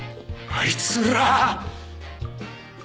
あいつら。